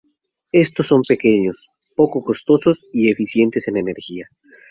Estos son pequeños, poco costosos y eficientes en energía.